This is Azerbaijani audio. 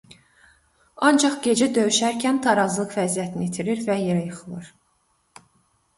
Ancaq gecə döyüşərkən tarazlıq vəziyyətini itirir və yerə yıxılır.